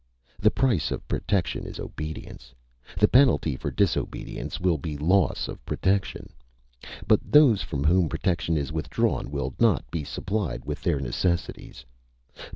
The price of protection is obedience. The penalty for disobedience will be loss of protection. But those from whom protection is withdrawn will not be supplied with their necessities!